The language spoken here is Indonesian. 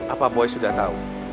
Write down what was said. apa boy sudah tau